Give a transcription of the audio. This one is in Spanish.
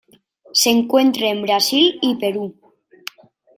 Se encuentra en Brasil y Perú.